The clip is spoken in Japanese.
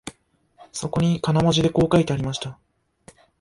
そこに金文字でこう書いてありました